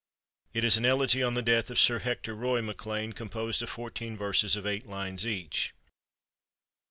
It is an elegy on the death of Sir Hector Roy MacLean, composed of fourteen verses of eight lines each.